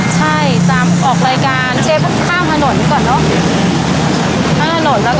ใช่จะออกรายการใช้พักข้ามทะโหนลิก่อนเนอะ